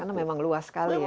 karena memang luas sekali ya